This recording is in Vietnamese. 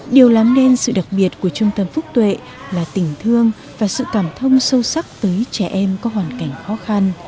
điều làm nên sự đặc biệt của trung tâm phúc tuệ là tình thương và sự cảm thông sâu sắc tới trẻ em có hoàn cảnh khó khăn